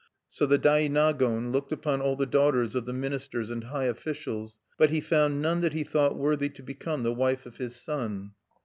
So the Dainagon looked upon all the daughters of the ministers and high officials, but he found none that he thought worthy to become the wife of his son.